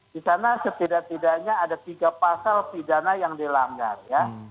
di sana setidak tidaknya ada tiga pasal pidana yang dilanggar ya